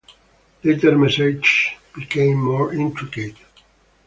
Later messages became more intricate.